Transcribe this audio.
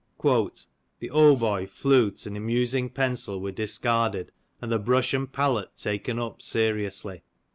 " The hautboy, flute, and amusing pencil were dis carded, and the brush and pallet taken up seriously."